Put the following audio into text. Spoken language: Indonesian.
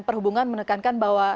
perhubungan menekankan bahwa